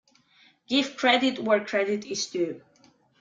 Give credit where credit is due.